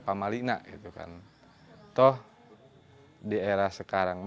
kami menanggalkan kedamaian dan mencicamente